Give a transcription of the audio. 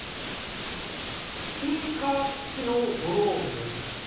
スピーカー付きのドローンです。